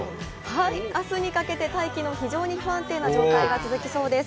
はい、あすにかけて大気の非常に不安定な状態が続きそうです。